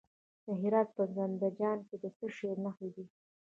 د هرات په زنده جان کې د څه شي نښې دي؟